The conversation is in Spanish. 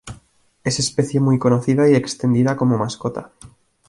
Es especie muy conocida y extendida como mascota.